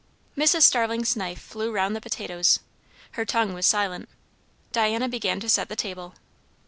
Mrs. Starling's knife flew round the potatoes; her tongue was silent. Diana began to set the table.